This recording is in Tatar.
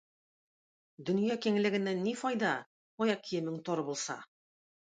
Дөнья киңлегеннән ни файда, аяк киемең тар булса?